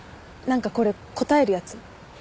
何かこれ答えるやつ？